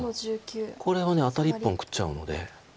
これはアタリ１本食っちゃうので。